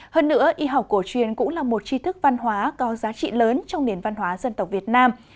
hơn nữa y học cổ truyền cũng là một tri thức văn hóa có giá trị lớn trong nền văn hóa dân tộc việt nam